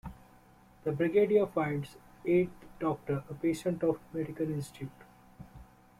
The Brigadier finds the Eighth Doctor a patient of a medical institute.